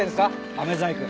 あめ細工。